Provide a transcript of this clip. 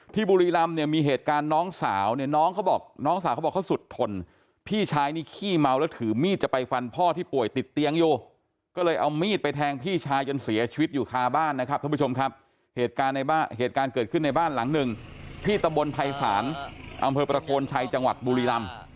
บุรีรำเนี่ยมีเหตุการณ์น้องสาวเนี่ยน้องเขาบอกน้องสาวเขาบอกเขาสุดทนพี่ชายนี่ขี้เมาแล้วถือมีดจะไปฟันพ่อที่ป่วยติดเตียงอยู่ก็เลยเอามีดไปแทงพี่ชายจนเสียชีวิตอยู่คาบ้านนะครับท่านผู้ชมครับเหตุการณ์ในบ้านเหตุการณ์เกิดขึ้นในบ้านหลังหนึ่งที่ตำบลภัยศาลอำเภอประโคนชัยจังหวัดบุรีรำ